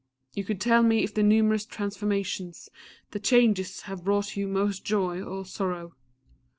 You could tell me if the numerous transformations, the changes, have brought you most joy or sorrow.